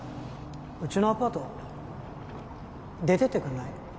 うちのアパート出てってくんない？